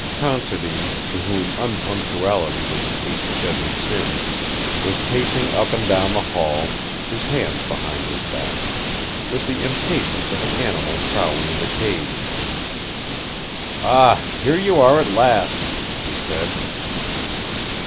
Considine, to whom unpunctuality was the eighth deadly sin, was pacing up and down the hall, his hands behind his back, with the impatience of an animal prowling in a cage. "Ah, here you are at last!" he said.